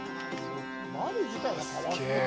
あ、すげえ。